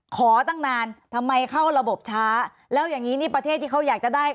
ขอตั้งนานทำไมเข้าระบบช้าแล้วอย่างนี้นี่ประเทศที่เขาอยากจะได้